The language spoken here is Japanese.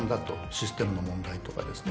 システムの問題とかですね。